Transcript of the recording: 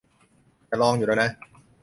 จะลองอยู่แล้วนะ